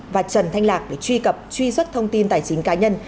và trần thanh lạc để truy cập truy xuất thông tin tài chính cá nhân